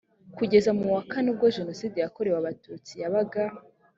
kugeza mu wa kane ubwo jenoside yakorewe abatutsi yabaga